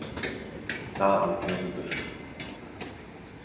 T'as un cœur de bœuf.